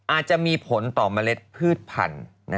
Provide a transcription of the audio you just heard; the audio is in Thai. อาจจะมีผลต่อเมล็ดพืชพันธุ์